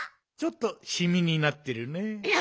ちょっとシミになってるね。